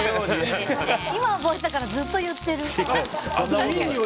今、覚えたからずっと言ってる。